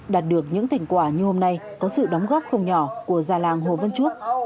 đạt được những thành quả như hôm nay có sự đóng góp không nhỏ của già làng hồ văn chuộc